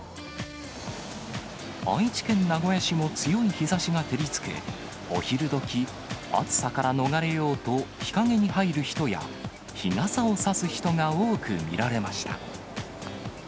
愛知県名古屋市も強い日ざしが照りつけ、お昼どき、暑さから逃れようと日陰に入る人や、日傘を差す人が多く見られました。